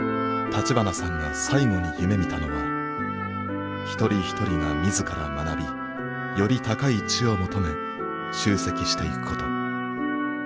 立花さんが最後に夢みたのは一人一人が自ら学びより高い知を求め集積していくこと。